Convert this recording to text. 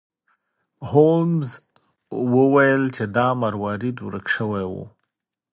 هولمز وویل چې دا مروارید ورک شوی و.